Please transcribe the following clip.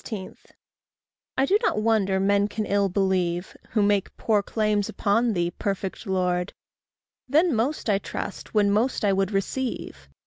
I do not wonder men can ill believe Who make poor claims upon thee, perfect Lord; Then most I trust when most I would receive.